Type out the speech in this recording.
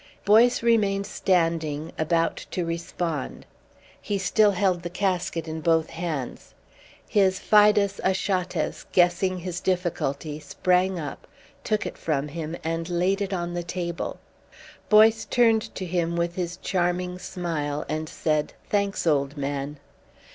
Boyce remained standing, about to respond. He still held the casket in both hands. His FIDUS ACHATES, guessing his difficulty, sprang up, took it from him, and laid it on the table. Boyce turned to him with his charming smile and said: "Thanks, old man."